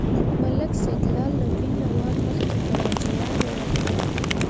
ملک سیدلال له دوی نه وار مخکې کړ او یې ځواب ورکړ.